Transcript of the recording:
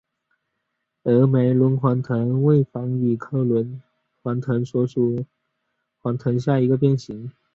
峨眉轮环藤为防己科轮环藤属轮环藤下的一个变型。